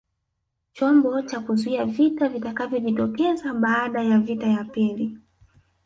Chombo cha kuzuia vita vitakavyojitokeza baada ya vita ya pili